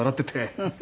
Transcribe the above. フフ。